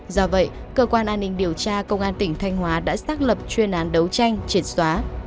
do vậy cơ quan an ninh điều tra công an tỉnh thanh hóa đã xác lập chuyên án đấu tranh triệt xóa